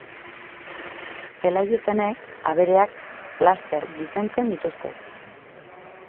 Zelai gizenek abereak laster gizentzen dituzte.